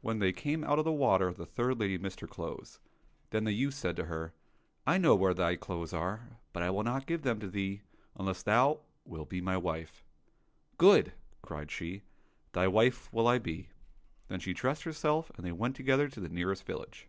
When they came out of the water the third lady missed her clothes. Then the youth said to her, " I know where thy clothes are, but I will not give them to thee unless thou wilt be my wife." —" Good !" cried she, " thy wife will I be." Then she dressed herself, and they went together to the nearest village.